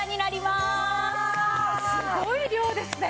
すごい量ですね。